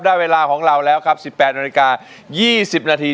ได้เวลาของเราแล้วครับ๑๘นาที๒๐นาที